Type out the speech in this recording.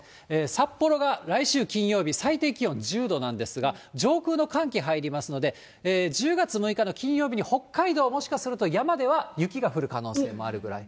札幌が来週金曜日、最低気温１０度なんですが、上空の寒気入りますので、１０月６日の金曜日に北海道、もしかすると山では雪が降る可能性もあるぐらい。